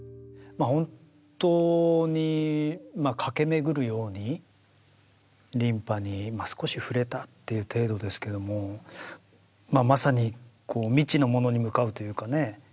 まあ本当に駆け巡るように琳派に少し触れたっていう程度ですけどもまさにこう未知のものに向かうというかね。